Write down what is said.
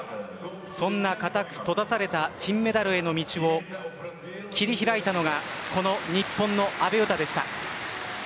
そんな固く閉ざされた金メダルへの道を切り開いたのがこの日本の阿部詩でした。